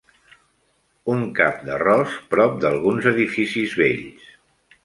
Un cap d'arròs prop d'alguns edificis vells.